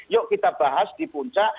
yuk kita bahas di puncak